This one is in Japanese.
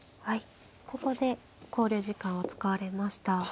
はいここで考慮時間を使われました。